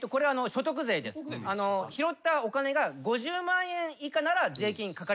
拾ったお金が５０万円以下なら税金かかりません。